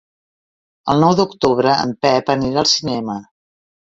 El nou d'octubre en Pep anirà al cinema.